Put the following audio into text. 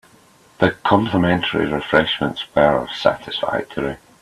The complimentary refreshments were satisfactory.